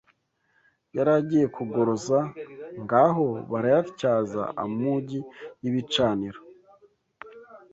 Yaragiye kugoroza Ngaho barayatyaza amugi y’ibicaniro